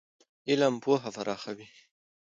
علم پوهه پراخوي.